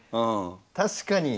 確かに。